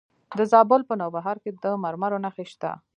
د زابل په نوبهار کې د مرمرو نښې شته.